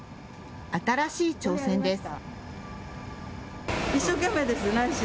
新しい挑戦です。